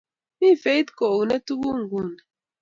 Mi Faith Kouni tuguk nguni.